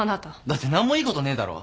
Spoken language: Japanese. だって何もいいことねえだろ？